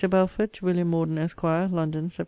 BELFORD, TO WILLIAM MORDEN, ESQ. LONDON, SEPT.